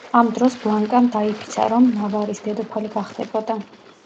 ამ დროს ბლანკამ დაიფიცა, რომ ნავარის დედოფალი გახდებოდა.